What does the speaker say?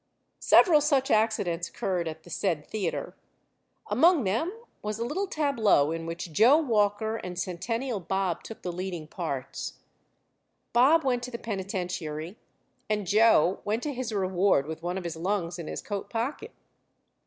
Several such accidents occurred at the said theater. Among them was a little tableau in which Joe Walker and Centennial Bob took the leading parts. Bob went to the penitentiary, and Joe went to his reward with one of his lungs in his coat pocket.